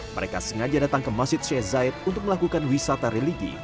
mereka sengaja datang ke masjid syed zaid untuk melakukan wisata religi